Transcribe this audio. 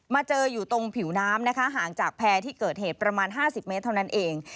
เจออยู่ตรงผิวน้ำนะคะห่างจากแพร่ที่เกิดเหตุประมาณ๕๐เมตรเท่านั้นเอง